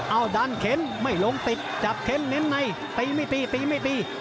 เอาดันเข็นไม่ลงติดจับเข็นเน้นในตีไม่ตีตีไม่ตี